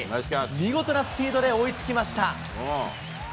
見事なスピードで追いつきました。